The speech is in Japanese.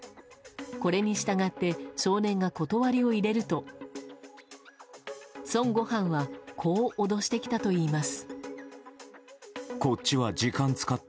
これに従って少年が断りを入れると孫悟飯はこう脅してきたといいます。